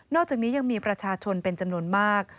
อกจากนี้ยังมีประชาชนเป็นจำนวนมาก